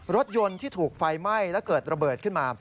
รถยนต์ที่ถูกไฟไหม้และเกิดระเบิดขึ้นมา